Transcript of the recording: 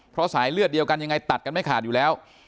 เพราะสายเลือดเดียวกันยังไงตัดกันไม่ขาดอยู่แล้ว